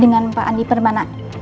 dengan pak andi permanat